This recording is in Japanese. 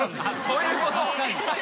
そういうことね。